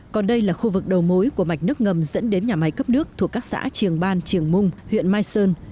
còn đây là khu vực đầu mối của mạch nước ngầm dẫn đến nhà máy cấp nước thuộc các xã triềng ban triềng mung huyện mai sơn